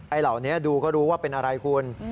อันเขาดูก็รู้ว่าอะไรคุณ